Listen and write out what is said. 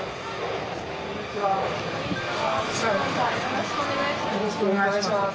よろしくお願いします。